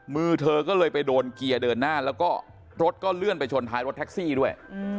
มือเธอก็เลยไปโดนเกียร์เดินหน้าแล้วก็รถก็เลื่อนไปชนท้ายรถแท็กซี่ด้วย